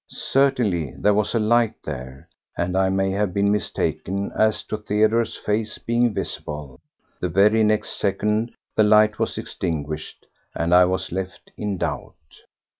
Certainly there was a light there, and I may have been mistaken as to Theodore's face being visible. The very next second the light was extinguished and I was left in doubt.